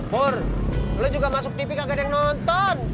pur lo juga masuk tv kagak ada yang nonton